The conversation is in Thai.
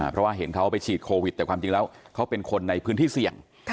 เพราะว่าเห็นเขาไปฉีดโควิดแต่ความจริงแล้วเขาเป็นคนในพื้นที่เสี่ยง